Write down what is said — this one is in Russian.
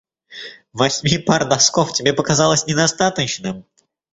Восьми пар носков тебе показалось недостаточным?